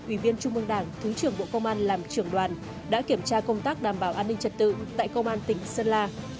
ủy viên trung mương đảng thứ trưởng bộ công an làm trưởng đoàn đã kiểm tra công tác đảm bảo an ninh trật tự tại công an tỉnh sơn la